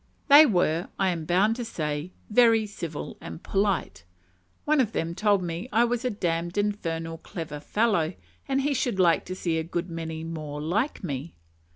They were, I am bound to say, very civil and polite; one of them told me I was "a damned, infernal, clever fellow, and he should like to see a good many more like me."